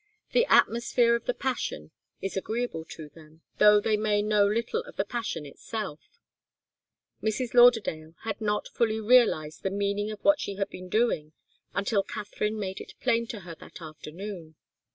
The atmosphere of the passion is agreeable to them, though they may know little of the passion itself. Mrs. Lauderdale had not fully realized the meaning of what she had been doing until Katharine made it plain to her that afternoon.